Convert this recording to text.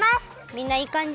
みんないいかんじ？